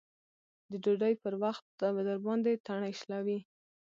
د ډوډۍ په وخت درباندې تڼۍ شلوي.